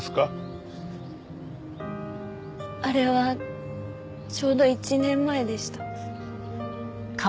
あれはちょうど１年前でした。